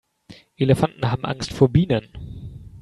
Elefanten haben Angst vor Bienen.